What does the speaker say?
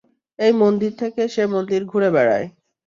এই মন্দির থেকে সে মন্দির ঘুড়ে বেড়ায়।